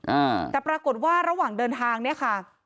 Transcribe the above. อ่าแต่ปรากฏว่าระหว่างเดินทางเนี่ยค่ะ